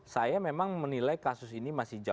saya memang menilai kasus ini masih jauh